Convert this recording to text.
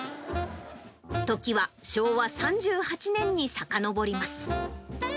時は昭和３８年にさかのぼります。